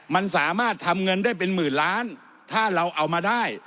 มันสามารถทำเงินได้เป็นหมื่นล้านถ้าเราเอามาได้